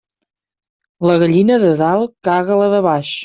La gallina de dalt caga la de baix.